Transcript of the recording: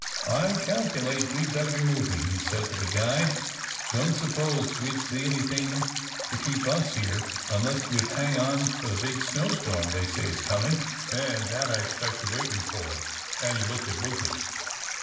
"I calculate we'd better be moving," he said, to the guide. "Don't suppose we'd see anything to keep us here, unless we'd hang on for the big snow storm they say is coming, and that I expect you're waiting for," and he looked at Lucas.